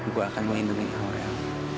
gue akan menghidungi aurel